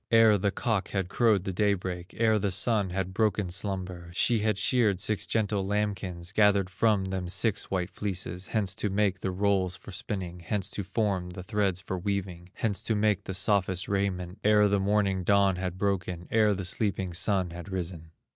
Ere the cock had crowed the day break, Ere the Sun had broken slumber; She had sheared six gentle lambkins, Gathered from them six white fleeces, Hence to make the rolls for spinning, Hence to form the threads for weaving, Hence to make the softest raiment, Ere the morning dawn had broken, Ere the sleeping Sun had risen.